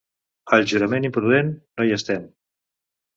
Al jurament imprudent, no hi estem.